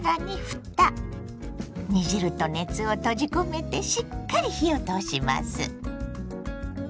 煮汁と熱を閉じ込めてしっかり火を通します。